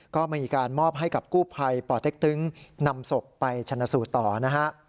ก็มีการมอบให้กับกู้ภัยปเต็กตึงนำศพไปชนะสูตรต่อนะฮะ